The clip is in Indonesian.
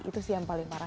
itu sih yang paling parah